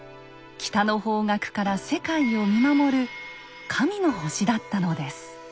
北の方角から世界を見守る「神の星」だったのです。